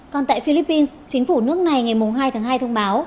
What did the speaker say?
còn tại philippines chính phủ nước này ngày hai tháng hai thông báo